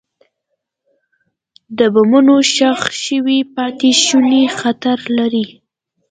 د بمونو ښخ شوي پاتې شوني خطر لري.